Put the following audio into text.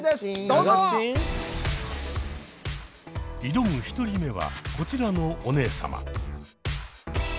挑む１人目はこちらのお姉様。